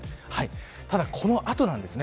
ただ、この後なんですね。